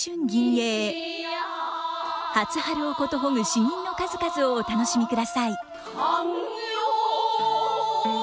初春をことほぐ詩吟の数々をお楽しみください。